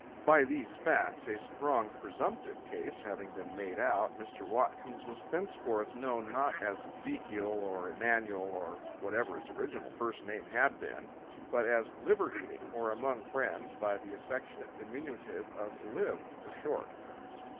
By these facts a strong presumptive case having been made out, Mr. Watkins was thenceforth known not as Ezekiel or Emanuel, or whatever his original first name had been, but as Liver Eating, or among friends by the affectionate diminutive of Liv for short.